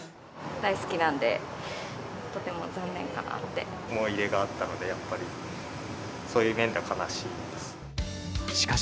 大好きなんで、とても残念か思い入れがあったので、やっぱり、そういう面では悲しいです。